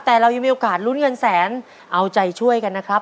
แต่เรายังมีโอกาสลุ้นเงินแสนเอาใจช่วยกันนะครับ